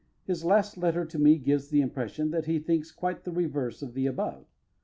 His last letter to me gives the impression that he thinks quite the reverse of the above.